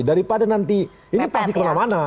daripada nanti ini pasti kemana mana